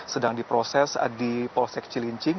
sedang diproses di polsek cilincing